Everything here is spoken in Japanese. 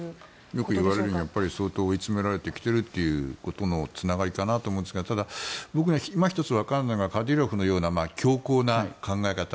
よくいわれるのは相当追い詰められてきていることのつながりかなと思いますがただ、僕が今ひとつ分からないのはカディロフのような強硬な考え方